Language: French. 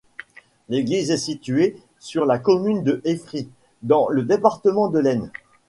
L'église est située sur la commune de Effry, dans le département de l'Aisne.